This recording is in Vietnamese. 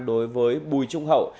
đối với bùi trung hậu